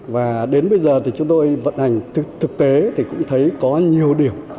và đến bây giờ thì chúng tôi vận hành thực tế thì cũng thấy có nhiều điểm